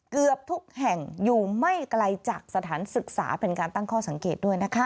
เกือบทุกแห่งอยู่ไม่ไกลจากสถานศึกษาเป็นการตั้งข้อสังเกตด้วยนะคะ